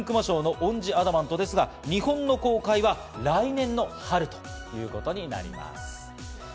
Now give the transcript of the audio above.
今回の金熊賞の『オン・ジ・アダマント』ですが、日本の公開は来年の春ということになります。